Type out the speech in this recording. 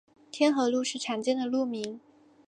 天河路是常见的路名。